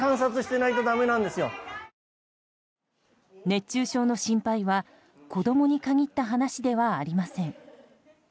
熱中症の心配は子供に限った話ではありません。